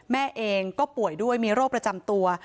แม่เองก็ป่วยด้วยมีโรคประจำตัว